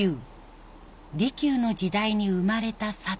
利休の時代に生まれた茶道。